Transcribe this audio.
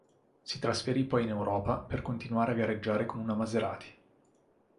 Si trasferì poi in Europa per continuare a gareggiare con una Maserati.